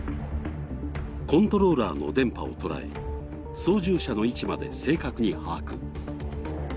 コントローラーの電波を捉え、操縦者の位置まで正確に把握。